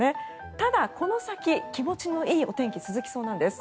ただ、この先気持ちのいいお天気続きそうなんです。